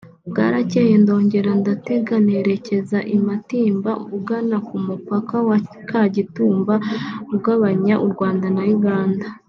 Bwaracyeye ndongera ndatega nerekeza i Matimba ugana ku mupaka wa Kagitumba ugabanya u Rwanda na Uganda